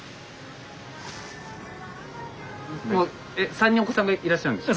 ３人お子さんがいらっしゃるんですか？